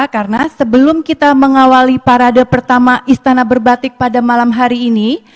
karena sebelum kita mengawali parade pertama istana berbatik pada malam hari ini